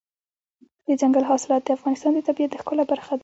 دځنګل حاصلات د افغانستان د طبیعت د ښکلا برخه ده.